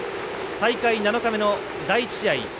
大会７日目の第１試合。